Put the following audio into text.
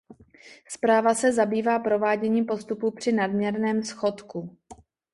Zpráva se zabývá prováděním postupu při nadměrném schodku.